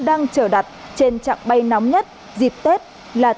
đang trở đặt trên trạng bay nóng nhất dịp tết là tân sơn